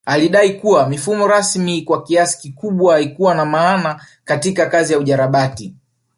Alidai kuwa mifumo rasmi kwa kiasi kikubwa haikuwa na maana katika kazi ya ujarabati